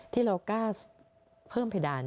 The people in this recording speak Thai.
ที่เรากล้าเพิ่มเพดาน